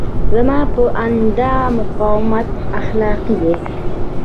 زما په اند دا مقاومت اخلاقي دی.